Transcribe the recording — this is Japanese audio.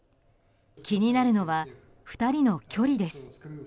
気になるのは２人の距離です。